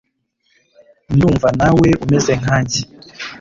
ndumva nawe umeze nkange